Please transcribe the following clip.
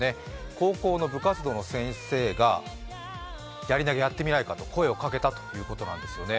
高校の部活動の先生がやり投げやってみないかと声をかけたということなんですよね。